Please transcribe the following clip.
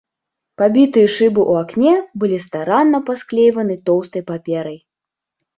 Пабітыя шыбы ў акне былі старанна пасклейваны тоўстай паперай.